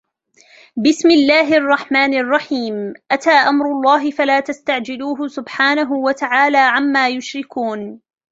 بِسْمِ اللَّهِ الرَّحْمَنِ الرَّحِيمِ أَتَى أَمْرُ اللَّهِ فَلَا تَسْتَعْجِلُوهُ سُبْحَانَهُ وَتَعَالَى عَمَّا يُشْرِكُونَ